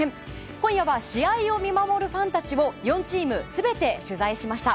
今夜は試合を見守るファンたちを４チーム全て取材しました。